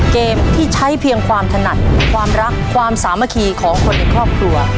เกมที่ใช้เพียงความถนัดความรักความสามัคคีของคนในครอบครัว